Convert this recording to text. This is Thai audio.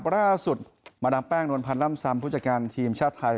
ล่าสุดมาดามแป้งนวลพันธ์ล่ำซำผู้จัดการทีมชาติไทย